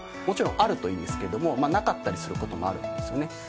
もちろんあるといいんですけどもなかったりすることもあるんですよね。